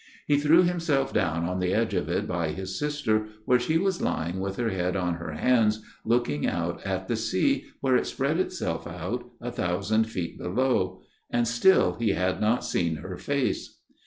He threw himself down on the edge of it, by his sister, where she was lying with her head on her hands looking out at the sea where it spread itself out, a thousand feet below ; and still he had not seen her face.